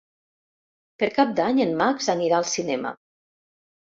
Per Cap d'Any en Max anirà al cinema.